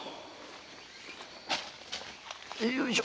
よいしょ。